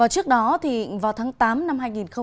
trước đó vào tháng tám năm hai nghìn một mươi chín